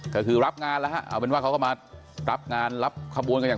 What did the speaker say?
ก็คือรับงานแล้วฮะเอาเป็นว่าเขาก็มารับงานรับขบวนกันอย่าง